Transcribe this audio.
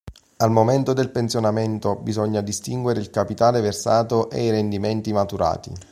Al momento del pensionamento bisogna distinguere il capitale versato e i rendimenti maturati.